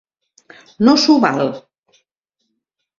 No s'ho val.